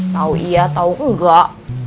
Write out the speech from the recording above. tau iya tau enggak